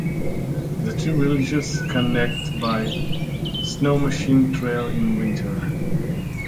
The two villages connect by snowmachine trail in winter.